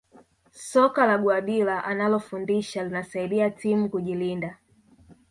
soka la guardiola analofundisha linasaidia timu kujilinda